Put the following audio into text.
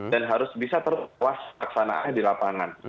dan harus bisa terkuas keperluan aksi massa di lapangan